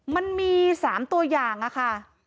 มันมี๓ตัวอย่างค่ะ